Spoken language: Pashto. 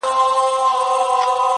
• د هغه مرحوم په ویر کي ولیکل-